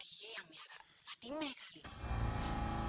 dia yang miara fatimah kali